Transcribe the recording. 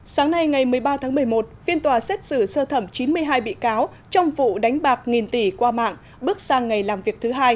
sáng nay ngày một mươi ba tháng một mươi một phiên tòa xét xử sơ thẩm chín mươi hai bị cáo trong vụ đánh bạc nghìn tỷ qua mạng bước sang ngày làm việc thứ hai